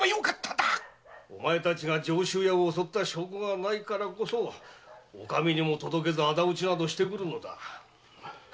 お前たちが上州屋を襲った証拠がないからこそお上にも届けず仇討ちなどしてくるのだ。